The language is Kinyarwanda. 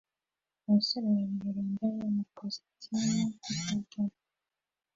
Abasore babiri bambaye amakositimu n'ipantaro